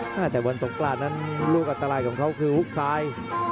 แต่วันสงกรานนั้นลูกอันตรายของเขาคือฮุกซ้าย